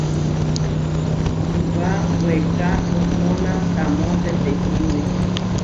Iʼwá weeká oʼhóna taamó tetehíme.